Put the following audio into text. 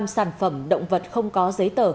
sản phẩm động vật không có giấy tờ